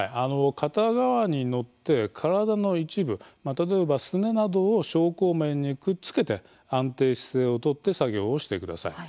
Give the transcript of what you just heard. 片側に乗って体の一部例えば、すねなどを昇降面にくっつけて安定姿勢を取って作業をしてください。